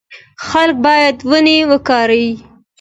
خلک باید ونې وکري.